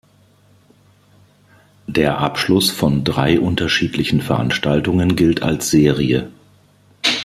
Der Abschluss von drei unterschiedlichen Veranstaltungen gilt als Serie.